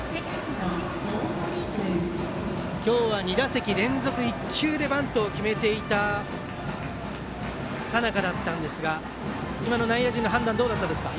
今日は２打席連続１球でバントを決めていた佐仲だったんですが今の内野陣の判断どうだったんですか？